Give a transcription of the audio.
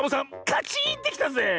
カチーンってきたぜえ。